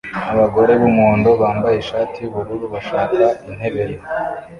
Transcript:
Abagore b'umuhondo bambaye ishati y'ubururu bashaka intebe ye